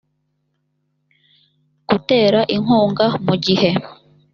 gutera inkungu mu gihe